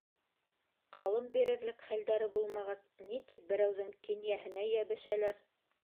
Ҡалым бирерлек хәлдәре булмағас, ни тип берәүҙең кинйәһенә йәбешәләр.